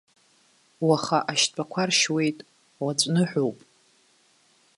Уаха ашьтәақәа ршьуеит, уаҵә ныҳәоуп.